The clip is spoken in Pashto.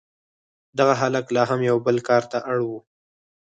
دغه هلک لا هم یو بل کار ته اړ و